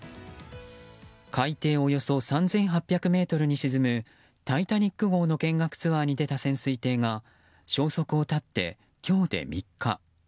海底およそ３８００ｍに沈む「タイタニック号」の見学ツアーに出た潜水艇が消息を絶って今日で３日。